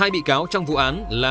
hai bị cáo trong vụ án là